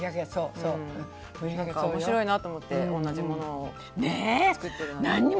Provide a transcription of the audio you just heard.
面白いなと思って同じものを作ってるなんて。ね。